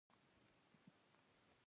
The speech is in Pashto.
مالداري هم د ښکار له امله رامنځته شوه.